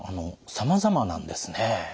さまざまなんですね。